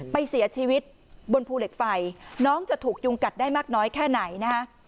ไปเสียชีวิตบนภูเหล็กไฟน้องจะถูกยุงกัดได้มากน้อยแค่ไหนนะฮะ